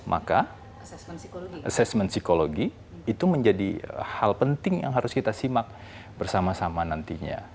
maka asesmen psikologi itu menjadi hal penting yang harus kita simak bersama sama nantinya